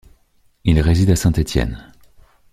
Il réside à Saint-Étienne.